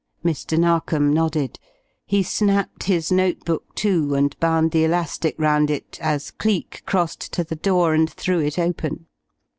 Mr. Narkom nodded. He snapped his note book to, and bound the elastic round it, as Cleek crossed to the door and threw it open.